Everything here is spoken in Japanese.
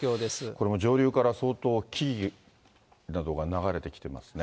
これも上流から相当、木々などが流れてきてますね。